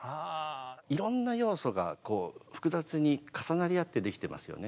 いろんな要素が複雑に重なり合ってできてますよね。